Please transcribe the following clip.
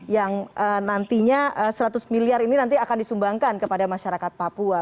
yang nantinya seratus miliar ini nanti akan disumbangkan kepada masyarakat papua